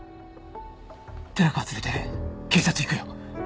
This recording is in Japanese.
寺川連れて警察行くよ。